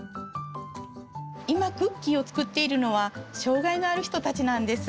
今クッキーを作っているのは障害のある人たちなんです。